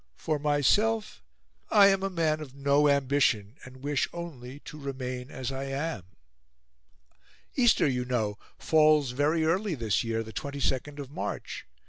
For myself I am a man of no ambition, and wish only to remain as I am... Easter, you know, falls very early this year the 22nd of March.